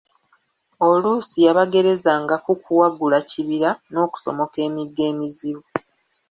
Oluusi yabagerezanga ku kuwagula kibira n'okusomoka emigga emizibu.